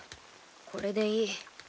これでいい。